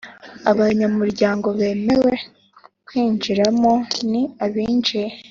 Abanyamuryango bemerewe kwinjiramo ni abinjiye